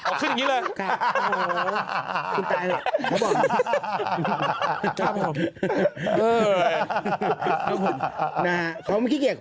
ออกขึ้นอย่างงี้เลยคุณตายเหอะเขาบอกพี่เจ้าบอกเออนะเขาไม่ขี้เกียจ